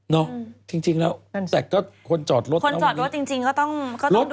เนาะจริงแล้วแต่ก็คนจอดรถคนจอดรถจริงก็ต้องดูด้วย